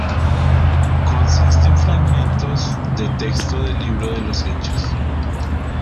Consiste en fragmentos de texto del libro de los Hechos.